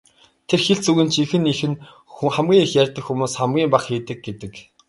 Тэр хэлц үгийн жинхэнэ эх нь "хамгийн их ярьдаг хүмүүс хамгийн бага хийдэг" гэдэг.